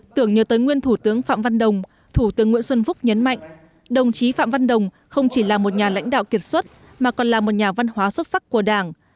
tưởng nhớ tới nguyên thủ tướng phạm văn đồng thủ tướng nguyễn xuân phúc nhấn mạnh đồng chí phạm văn đồng không chỉ là một nhà lãnh đạo kiệt xuất mà còn là một nhà văn hóa xuất sắc của đảng